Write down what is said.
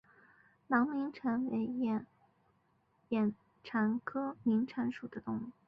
囊明蚕为眼蚕科明蚕属的动物。